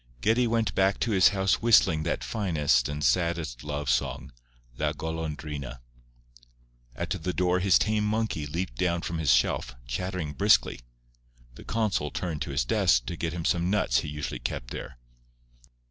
Geddie went back to his house whistling that finest and saddest love song, "La Golondrina." At the door his tame monkey leaped down from his shelf, chattering briskly. The consul turned to his desk to get him some nuts he usually kept there.